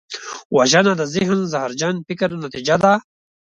وژنه د ذهن زهرجن فکر نتیجه ده